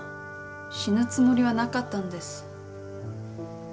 死ぬつもりはなかったんです。